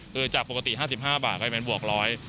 คือจากปกติ๕๕บาทก็จะเป็นบวก๑๐๐บาท